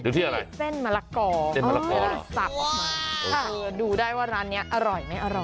ที่อะไรเส้นมะละกอเส้นมะละกอตักออกมาดูได้ว่าร้านนี้อร่อยไม่อร่อย